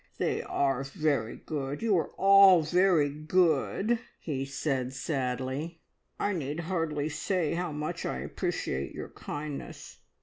"They are very good! You are all very good," he said sadly. "I need hardly say how much I appreciate your kindness.